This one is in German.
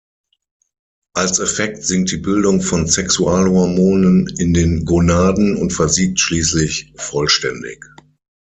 Als Effekt sinkt die Bildung von Sexualhormonen in den Gonaden und versiegt schließlich vollständig.